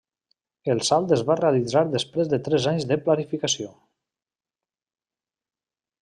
El salt es va realitzar després de tres anys de planificació.